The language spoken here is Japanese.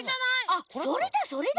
あそれだそれだ！